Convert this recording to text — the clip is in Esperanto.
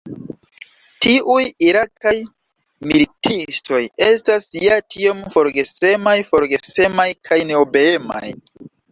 Tiuj irakaj militistoj estas ja tiom forgesemaj – forgesemaj kaj neobeemaj.